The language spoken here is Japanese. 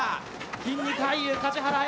筋肉俳優・梶原颯。